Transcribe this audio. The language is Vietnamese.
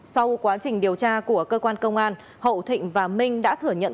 sau quá trình điều tra của cơ quan công an hậu thịnh và minh đã thừa nhận